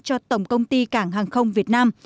cho tổng công ty cảng hàng không việt nam